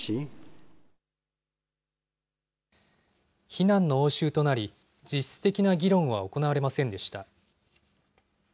非難の応酬となり、実質的な議論は行われませんでした。